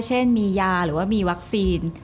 เช่นมียาหรือว่ามีวัคซีน